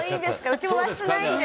うちも和室ないんで。